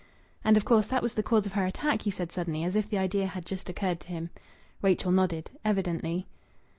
"And of course that was the cause of her attack?" he said suddenly, as if the idea had just occurred to him. Rachel nodded "Evidently."